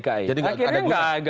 jadi tidak ada gunanya